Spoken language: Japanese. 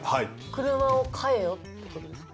車を買えよって事ですか？